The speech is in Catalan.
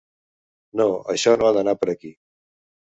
No, això no ha d’anar per aquí.